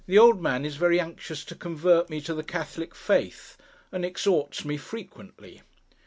The old man is very anxious to convert me to the Catholic faith, and exhorts me frequently.